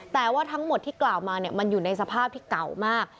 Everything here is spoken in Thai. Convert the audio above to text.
แต่ว่าทั้งหมดที่กล่าวมามันอยู่ในสภาพที่เก่ามาก